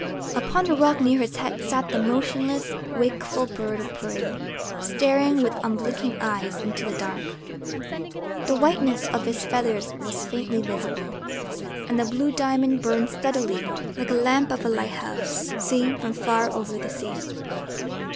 Upon the rock near his head sat the motionless, wakeful bird of prey, staring with unblinking eyes into the dark. The whiteness of its feathers was faintly visible, and the blue diamond burned steadily like the lamp of a lighthouse seen from far over the sea.